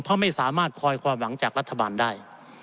เพราะไม่สามารถคอยความหวังจากรัฐบาลได้